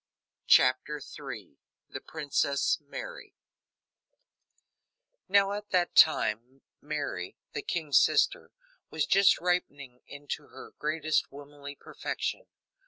CHAPTER III The Princess Mary Now, at that time, Mary, the king's sister, was just ripening into her greatest womanly perfection.